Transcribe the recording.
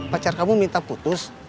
pacar kamu minta putus